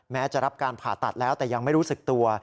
แม้จะรับการผ่าตัดแล้วแต่ยังไม่รู้สึกตัว